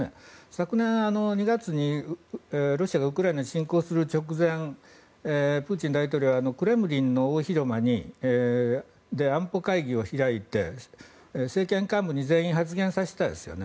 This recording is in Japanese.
昨年２月にロシアがウクライナに侵攻する直前プーチン大統領はクレムリンの大広間で安保会議を開いて、政権幹部に全員発言させましたよね。